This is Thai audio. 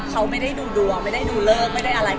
เขาไม่ได้ดูดัวไม่ได้ดูเลิก